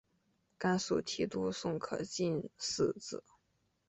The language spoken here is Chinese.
甘肃提督宋可进嗣子。